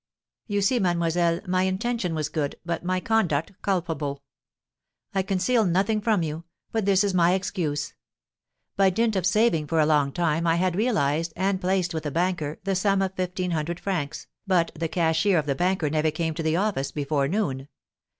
You see, mademoiselle, my intention was good, but my conduct culpable. I conceal nothing from you, but this is my excuse. By dint of saving for a long time I had realised, and placed with a banker, the sum of fifteen hundred francs, but the cashier of the banker never came to the office before noon.